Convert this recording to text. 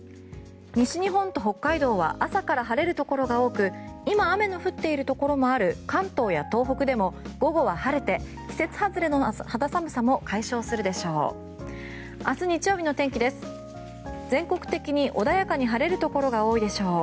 西日本と北海道は朝から晴れるところが多く今、雨の降っているところもある関東や東北でも午後は晴れて季節外れの肌寒さも解消するでしょう。